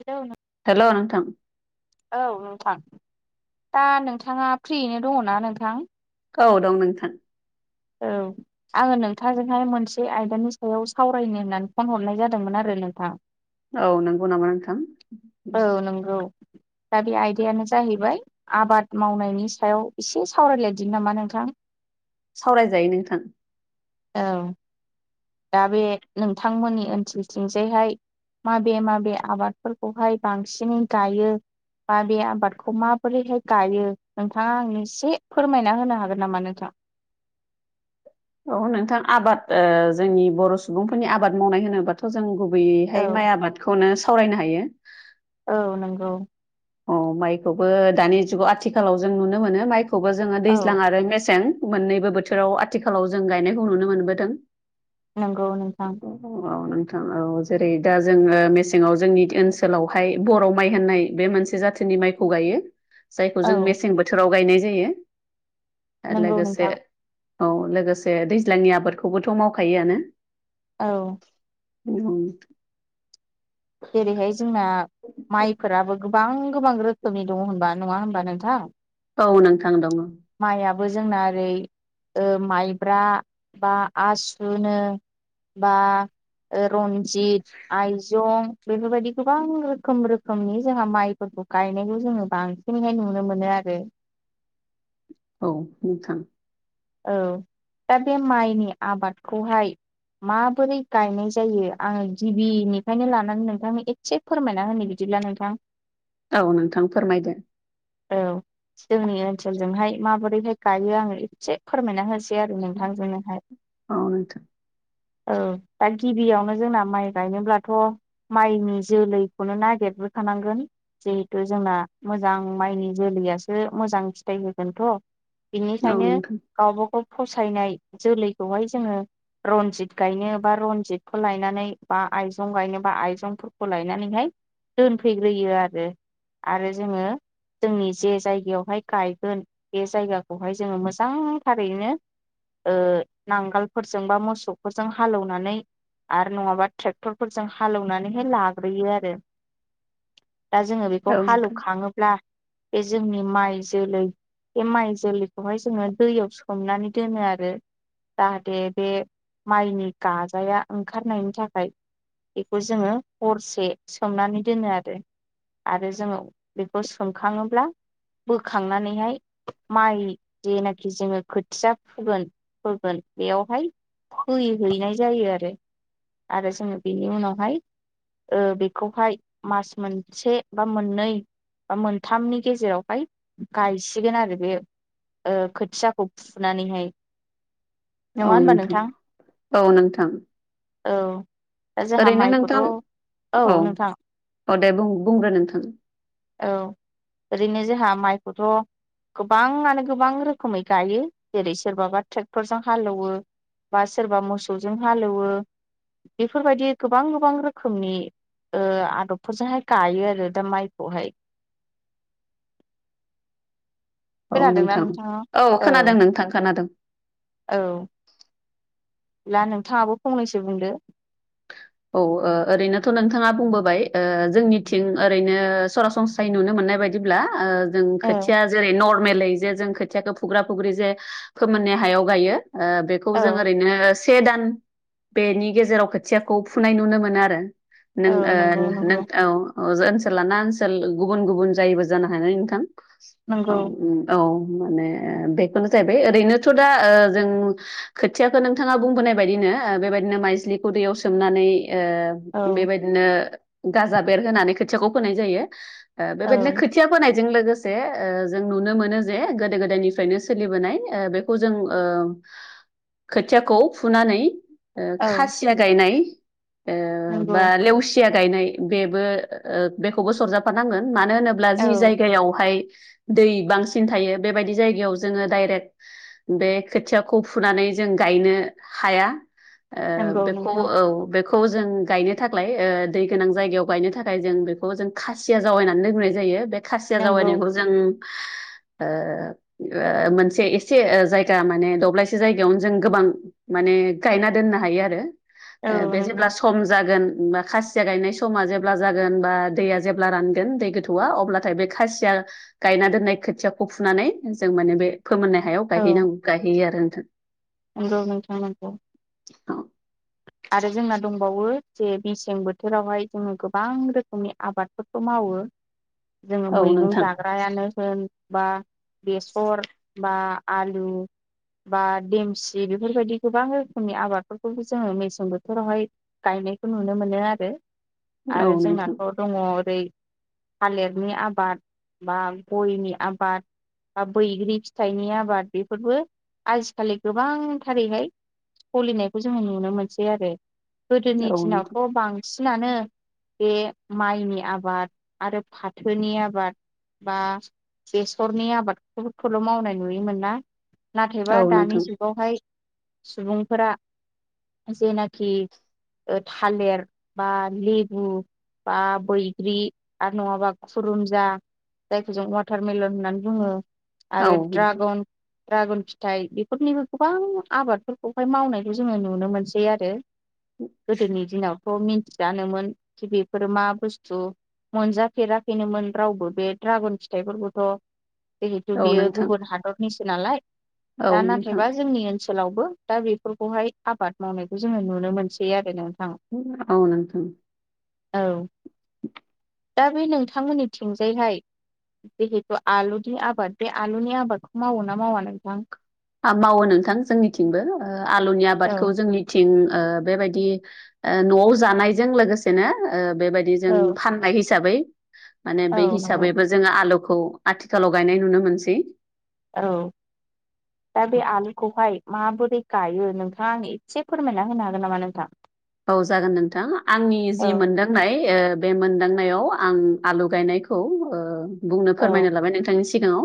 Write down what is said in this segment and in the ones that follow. Hello नों hello नोंथां औ नोंथां दा नोंथाङा फ्रियैनो दङना नोंथां? औ दं नोंथां। औ आङो नोंथां‌जोंहाय मोनसे आयदानि सायाव सावरायनो होननानै फन हरनाय जादोंमोन आरो नोंथां औ नंगौ नामा नोंथां औ नंगौ। दा बे आयदायानो जाहैबाय आबाद मावनायनि सायाव एसे सावरायलायदि नामा नोंथां सावरायजायो नोंथां। औ दा बे नोंथांमोननि ओनसोलथिंजायहाय माबे माबे आबादफोरखौहाय बांसिनै गायो बा बे आबादखौ माबोरैहाय गायो नोंथाङा आंनो एसे फोरमायना होनो हागोन नामा नोंथां? [inaudible] औ नोंथां आबाद ओ जोंनि बर' सुबुंफोरनि आबाद मावनाय होनोबाथ' जों गु औ गुबैयैहाय माइ आबादखौनो सावरायनो हायो। औ नंगौ। अ माइखौबो दानि जुगाव आथिखालाव जों नुनो मोनो माइखौबो जोङो औ दैज्लां आरो मेसें मोननैबो बोथोराव आथिखालाव जों गायनायखौ नुनो मोनबोदों। नंगौ नोंथां [unintelligible] औ जेरै दा जोङो मेसेङाव जोंनि ओनसोलावहाय बर' माइ होननाय बे मोनसे जाथिनि माइखौ गायो जायखौ औ जों मेसें बोथोराव गायनाय जायो आरो नंगौ लोगोसे नोंथां औ लोगोसे दैज्लांनि आबादखौबोथ' मावखायोआनो औ। उम। जेरैहाय जोंना माइफोराबो गोबां गोबां रोखोमनि दङ होनबा नङा होनबा नोंथां औ नोंथां दङ। बो जोंना ओरै ओ माइब्रा बा आसुनो बा रन्जित आइजं बेफोरबायदि गोबां रोखोम रोखोमनि जोंहा माइफोरखौ गायनायखौ जोङो बांसिनैहाय नुनो मोनो आरो [unintelligible] औ नोंथां। औ दा बे माइनि आबादखौहाय माबोरै गायनाय जायो आङो गिबिनिफ्रायनो लानानै नोंथांनो एसे फोरमायना होनो बिदि बिला नोंथां औ नोंथां फोरमायदो औ जोंनि ओनसोलजोंहाय माबोरैहाय गायो आङो एसे फोरमायना होस बै आरो नोंथांजोनोहाय औ नोंथां औ दा गिबियावनो जोंना माइ गायनोब्लाथ' माइनि जोलैखौनो नागिर थानांगोन जिहेथु जोंना मोजां माइनि जोलैयासो मोजां फिथाइ होगोनथ' औ बेनिखायनो नोंथां गावबा गाव फसायनाय जोलैखौहाय जोङो रनजित गायनो बा रनजितखौ लायनानै बा आइजं गायनो बा आइजंफोरखौ लायनानैहाय दोनफैग्रोयो आरो आरो जोङो जोंनि जे जायगायावहाय गायगोन बे जायगाखौहाय जोङो मोजां मोजांथारैनो ओ नांगोलफोरजों बा मोसौफोरजों हालौवनानै आरो नङाबा ट्रेक्टरफोरजों हालेवनानैहाय लाग्रोयो आरो दा जोङो बेखौ औ नोंथां हालौखाङोब्ला बे जोंनि माइ जोलै बे माइ जोलैखौहाय जोङो दैयाव सोमनानै दोनो आरो जाहाथे बे माइनि गाजाया ओंखारनायनि थाखाय बेखौ जोङो हरसे सोमनानै दोनो आरो आरो जोङो बेखौ सोमखाङोब्ला बोखांनानैहाय माइ जेनाखि जोङो खोथिया फोगोन फोगोन बेयावहाय फै हैनाय जायो आरो आरो जोङो बेनि उनावहाय ओबेखौहाय मास मोनसे बा मोननै बा मोनथामनि गेजेरावहाय गायसिगोन आरो बे खो फिसाखौ फुनानैहाय नङा औ होनबा नोंथां औ नोंथां औ दा जोंहा ओरैनो माइखौथ' नोंथां औ नोंथां औ दे बुं बुंग्रो नोंथां औ ओरैनो जोंहा माइखौथ' गोबाङानो गोबां रोखोम खोमै गायो जेरै सोरबाबा ट्रेक्टरजों हालौवो बा सोरबा मोसौजों हालेवो बेफोरबायदि गोबां गोबां रोखोमनि ओ आदब फोरजोंहाय गायो आरो दा माइखौहाय [inaudible] औ खोनादोंना नोंथां नोंथाङा औ खोनादों नोंथां खोनादों ब्ला नोंथाङाबो फंनैसो बुंदो औ ओ ओरैनोथ' नोंथाङा बुंबोबाय ओ जोंनिथिं ओरैनो सरासनस्रायै नुनो मोन नाय बायदिब्ला ओ जों औ खोथिया जेरै नर्मेलै जे जों खोथियाखौ फुग्रा फुग्रि जे फोमोननाय हायाव गायो ओ बेखौ औ जों ओरैनो से दान बेनि गेजेराव खोथिया खौ फुनाय नुनो मोनो आरो औ नों नंगौ ओ नों नंगौ औ औ ओनसोल लाना ओनसोल गुबुन गुबुन जायोबो जानो हाय न नोंथां औ नंगौ औ माने बेखौनो जाहैबाय ओरैनोथ' दा ओ जों खोथियाखौ नोंथाङा बुंबोनाय बायदिनो बेबायदिनो माइज्लिखौ दैयाव सोमनानै औ ओ बेबायदिनो गाजा बेर होनानै खोथियाखौ फोनाय जायो ओ औ बेबायदिनो खोथिया फोनाय जों लोगोसे ओ जों नुनो मोनो जे गोदो गोदायनिफ्रायनो ओ सोलिबोनाय बेखौ जों ओ खोथियाखौ फुनानै ओ औ खासिया गायनाय नंगौ बा लेवसिया गायनाय बेबो बेखौबो सरजाफानांगोन मानो होनोब्ला औ जि जायगायावहाय दै बांसिन थायो बेबायदि जायगायाव जोङो डाइरेक्ट बे खोथियाखौ फुनानै जों गायनो हाया ओ नंगौ बेखौ नोंथां औ बेखौ खौ जों गायनो थाख्लाय ओ दै गोनां जायगायाव गायनो थाखाय जों बेखौ जों खासिया जावायनानै दोनग्रोनाय जायो बे खासिया नंगौ जावैनायखौ जों [inaudible] ओ ओ मोनसे एसे ओ जायगा माने दब्लायसे जायगायावनो जों गोबां माने बे गायना दोननो हायो आरो औ बे नोंथां जेब्ला सम जागोन बा खासिया गायनाय समा जेब्ला जागोन बा दैया जेब्ला रानगोन दै गोथौआ अब्लाथाय बे खासिया गायना दोननाय खोथियाखौ फुनानै जों माने बे फोमोननाय हायाव औ गायहैनांगौ गायहैयो आरो नोंथां नंगौ नोंथां नंगौ [inaudible] आरो जोंना दंबावो जे मेसें बोथोरावहाय जोङो गोबां रोखोमनि आबादफोरखौ मावो जोङो मैगं नोंथां जाग्रायानो होन बा बेसर बा आलु बा देमसि बेफोरबायदि गोबां रोखोमनि आबादफोरखौबो जोङो मेसें बोथोरावहाय गायनायखौ नुनो मोनो आरो औ आरो नोंथां जोंनाथ' दङ ओरै थालिरनि आबाद बा गयनि आबाद बा बैग्रि फिथाइनि आबाद बेफोरबो आजिखालि गोबांथारैहाय सलिनायखौ जोङो नुनो मोनसै आरो गोदोनि औ नोंथां दिनावथ' बांसिनानो बे माइनि आबाद आरो फाथोनि आबाद बा बेसरनि आबादफोरखौल' मावनाय नुयोमोन ना औ नाथायबा दानि नोंथां जुगावहाय सुबुंफोरा जेनाखि थालिर बा लेबु बा बैग्रि आरो नङाबा खुरुम जा जायखौ जों वाटारमेलन होननानै बुङो औ आरो नोंथां ड्रागन द्रागन फिथाइ बेफोरनिबो गोबां आबादफोरखौहाय मावनायखौ जोङो नुनो मोनसै आरो गोदोनि दिनावथ' मिथिजानोमोन खि बेफोर मा बुस्थु मोनजाफेराखैनोमोन रावबो बे दड्रागन फिथाइफोरखौथ' जिहेथु औ बियो नोंथां गुबुन हादरनिसो नालाय औ नोंथां औ दा नोंथां नाथायबा जोंनि ओनसोल ओनसोलावबो दा बेफोरखौहाय आबाद मावनायखौ जोङो नुनो मोनसै आरो ना औ नोंथां औ दा बे नोंथांमोननि थिंजायहाय जिहेतु आलुनि आबाद बे आलुनि आबादखौ मावो ना मावा नोंथां? मावो नोंथां जोंनिथिंबो आलुनि औ आबादखौ जोंनिथिं ओ बेबायदि न'आव जानायजों लोगोसेनो ओ बेबायदिनो औ फान्नाय हिसाबै माने औ बे नंगौ हिसाबैबो जोङो आथिखालाव गायनाय नुनो मोनसै औ दा बे आलुखौहाय माबोरै गायो नोंथाङा आं एसे फोरमायना होनो हागोन नामा नोंथां? औ जागोन नोंथां आंनि औ जि मोनदांनाय बे मोनदांनायाव आं आलु गायनायखौ बुंनो औ फोरमायनो लाबाय नोंथांनि सिगाङाव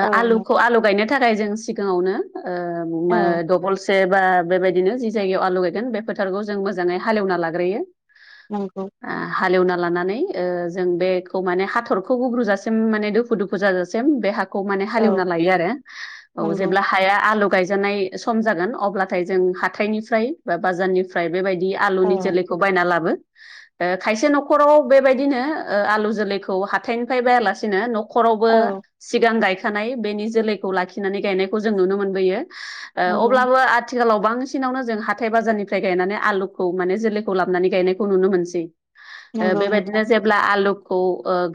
औ आलुखौ आलु गायनो थाखाय जों सिगाङावनो औ सेबा बेबायदिनो जि जायगायाव आलु गायगोन बे फोथारखौ जों मोजाङै हालेवना लाग्रोयो औ औ ओ हालेवना लानानै जों बेखौ माने हाथरखौ गुब्रुजासिम माने दुफु दुफु जाजासिम बे ह खौ माने औ हालेवना लायो आरो नंगौ जेब्ला हाया आलौ गायजानाय सम जागोन अब्लाथाय जों हाथाइनिफ्राय बा बाजारनिफ्राय बेबायदि औ आलुनि जोलैखौ बायना लाबो खायसे न'खराव बेबायदिनो आलु जोलैखौ हाथायनिफ्राय बायालासिनो न' न'खरावबो औ सिगां गायखानाय बेनि जोलैखौ लाखिनानै गायनायखौ जों नुनो मोनबोयो ओ नंगौ अब्लाबो आथिखालाव बांसिनावनो जों हाथाय बाजारनिफ्राय फिथाइ गायनानै आलुखौ माने जोलैखौ लाबनानै गायनायखौ नुनो मोनसै ओ नंगौ नोंथां बेबायदिनो जेब्ला आलुखौ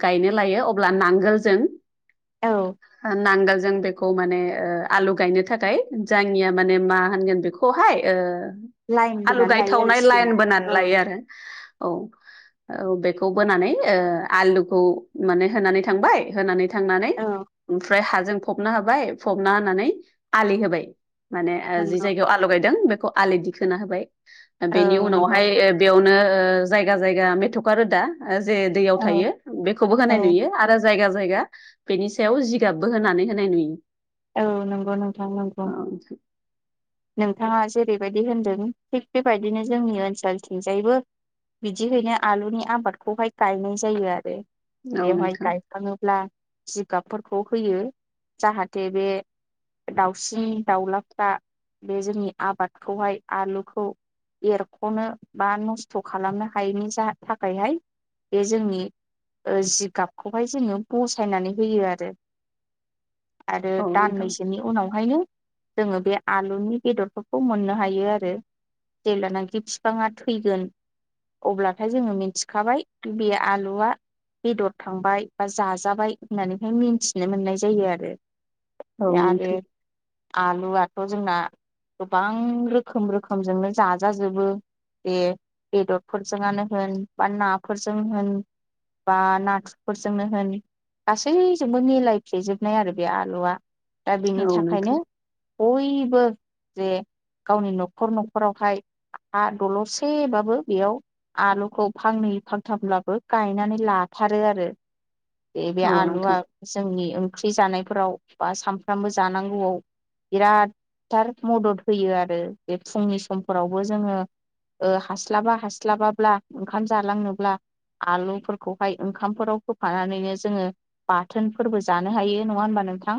गायनो लायो अब्ला नांगोलजों औ नांगाल जों बेखौ माने आलु गायनो थाखाय जोंनिया माने मा होनगोन बेखौहाय ओ लाइन आलु बोनानै लायो आरो गायथावनाय सिन लाइन बोनानै औ लायो आरो औ औ बेखौ बोनानै आलुखौ माने होनानै थांबाय होनानै थांनानै औ ओमफ्राय हाजों फबना होबाय फबना होनानै आलि होबाय माने जि नंगौ जायगायाव आल' गायदों बेखौ आलो दिखोना होबाय औ बेनि नंगौ उनावहाय बेयाव जायगा जायगा मेथ'खा रोदा जे दैयाव औ थायो बेखौबो होनाय औ नुयो आरो जायगा जायगा बेनि सायाव जिगाबबो होनानै होनाय नुयो औ नंगौ नोंथां नंगौ औ नथाङा जेरैबायदि होन्दों थिग बेबायदिनो जोंनि ओनसोलथिंजायबो बिदिहायनो आलुनि आबादखौहाय गायनाय जायो आरो औ बेवहाय नोंथां गायखाङोब्ला जिगाबफोरखौ होयो जाहाथे बे दाउसिन दाउलाफ्रा बे जोंनि आबादखौहाय आलुखौ एरख'नो बा नस्थ' खालामनो हायैनि थाखायहाय बे जोंनि जिगाबखौहाय जोङो बसायनानै होयो आरो। आरो औ नोंथां दाननैसोनि उनावहायनो जोङो बे आलुनि बेदरफोरखौ मोननो हायो आरो। जेब्लानाखि बिफाङा थैगोन अब्लाथाय जोङो मिथिखाबाय बे आलुआ बेदर थांबाय बा जाजाबाय होननानैहाय मिन्थिनो मोननाय जायो आरो औ आरो नोंथां, आलुआथ' जोंना गोबां रोखोम रोखोमजोंनो जाजाजोबो बे बेदरफोरजोंनो होन बा नाफोरजों होन बा नाथुरफोरजोंनो होन गासैजोंबो मिलायफेेजोबनाय आरो। बे आलुआ दा बेनि औ थाखायनो नोंथां बयबो जे गावनि न'खर न'खरावहाय हा दलरसेबाबो बेयाव आलुखौ फांनै फांथामब्लाबो गायनानै लाथारो आरो। बे औ आलुआ नोंथां जोंनि ओंख्रि जानायफोराव बा सामफ्रामबो जानांगौआव बिरादथार मदद होयो आरो बे फुंनि समफोरावबो जोङो। हास्लाबा हास्लाबाब्ला ओंखाम जालांनोब्ला आलुफोरखौहाय ओंखामफोराव होफानानैनो जोङो बाथोनफोरबो जानो हायो नङा होनबा नोंथां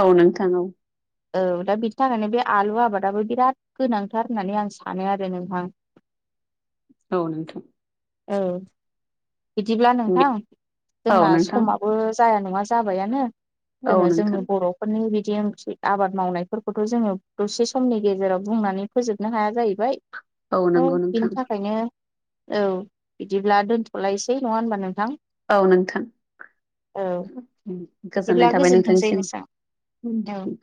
औ नोंथां औ। औ दा बिनि थाखायनो बे आलु आबादाबो बिराद गोनांथार होननानै आं सानो आरो नोंथां। [inaudible] औ नोंथां। औ बिदिब्ला नोंथां औ जोंना नोंथां समाबो जाया नङा जाबायानो औ नोंथां औ जोङो जोंनि नोंथां बर'फोरनि बि [inaudible] आबाद मावनायफोरखौथ' जोङो दसे समनि गेजेराव बुंनानै फोजोबनो हाया जाहैबाय औ नंगौ नोंथां बिनि थाखायनो औ बिदिब्ला दोनथ'लायसै। नङा होनबा नोंथां? औ नोंथां औ बिदिब्ला गोजोननाय थाबाय नोंथां। थांनि गोजोनथोंसै नोंसां औ सिम [inaudible]